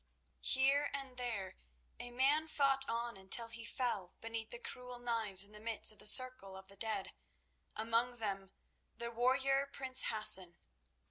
Here and there a man fought on until he fell beneath the cruel knives in the midst of the circle of the dead, among them the warrior prince Hassan.